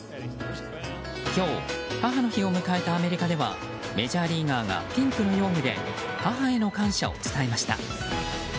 今日、母の日を迎えたアメリカではメジャーリーガーがピンクの用具で母への感謝を伝えました。